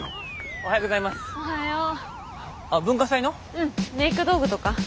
うんメイク道具とか。